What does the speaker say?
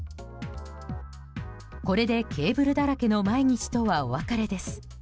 「これで、ケーブルだらけの毎日とはお別れです」。